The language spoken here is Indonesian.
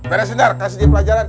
beres dar kasih dia pelajaran